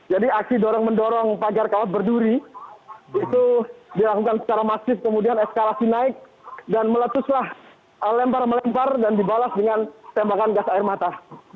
jadi aksi dorong mendorong pagar kawat berduri itu dilakukan secara masif kemudian eskalasi naik dan meletuslah lempar melempar dan dibalas dengan tembakan gas air mata